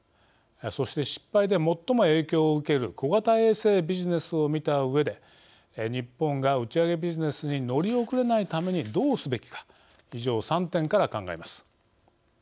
そして失敗で最も影響を受ける小型衛星ビジネスを見たうえで日本が打ち上げビジネスに乗り遅れないためにどうすべきか以上３点から考えます。